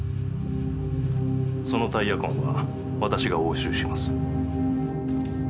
そのタイヤ痕は私が押収します。